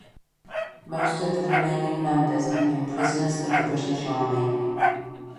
Most of the remaining members became prisoners of the British Army.